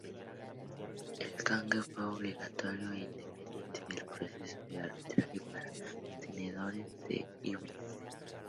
El canje fue obligatorio e independiente del proceso de arbitraje para tenedores de híbridos.